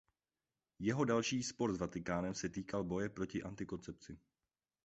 Jeho další spor s Vatikánem se týkal boje proti antikoncepci.